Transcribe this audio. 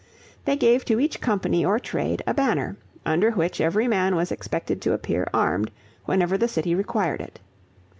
They gave to each company or trade a banner, under which every man was expected to appear armed, whenever the city required it.